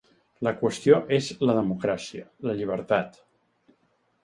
La qüestió és la democràcia, la llibertat.